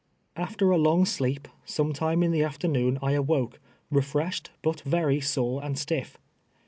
After a long sleep, sometime in tlie afternoon I awoke, refreshed, but very sore and stitf.